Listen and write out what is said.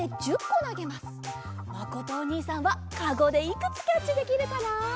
まことおにいさんはカゴでいくつキャッチできるかな？